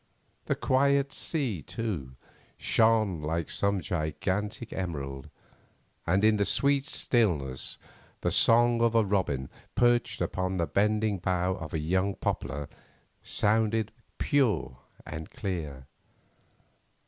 The quiet sea, too, shone like some gigantic emerald, and in the sweet stillness the song of a robin perched upon the bending bough of a young poplar sounded pure and clear.